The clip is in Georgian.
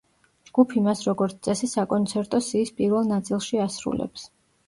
ჯგუფი მას როგორც წესი, საკონცერტო სიის პირველ ნაწილში ასრულებს.